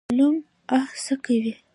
د مظلوم آه څه کوي؟